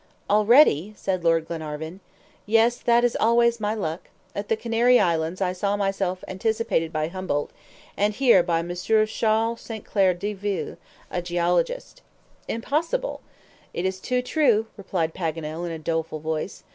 "Already!" said Lord Glenarvan. "Yes, that is always my luck. At the Canary Islands, I saw myself anticipated by Humboldt, and here by M. Charles Sainte Claire Deville, a geologist." "Impossible!" "It is too true," replied Paganel, in a doleful voice.